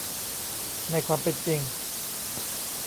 ในความเป็นจริง